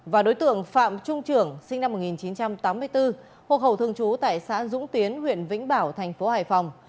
và đối tượng phạm trung trưởng sinh năm một nghìn chín trăm tám mươi bốn hộ khẩu thường trú tại xã dũng tiến huyện vĩnh bảo thành phố hải phòng